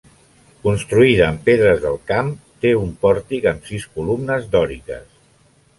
Construïda amb pedres del camp, té un pòrtic amb sis columnes dòriques.